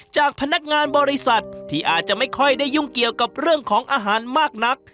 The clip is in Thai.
จากพนักงานบริษัทที่อาจจะไม่ค่อยได้ยุ่งเกี่ยวกับเรื่องของอาหารมากนัก